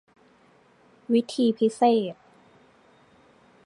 วิธีพิเศษ